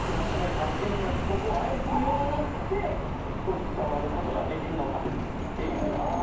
肝心なとこあえて言わなくて伝わることができるのかっていうところ。